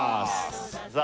さあ